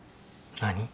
何？